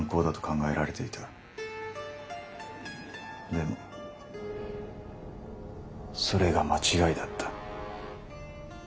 でもそれが間違いだった。